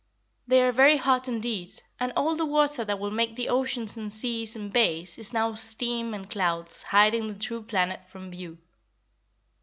They are very hot indeed, and all the water that will make the oceans and seas and bays is now steam and clouds hiding the true planet from view.